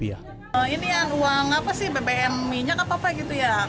ini yang uang apa sih bbm minyak apa apa gitu ya